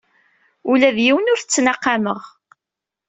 Ula d yiwen ur t-ttnaqameɣ.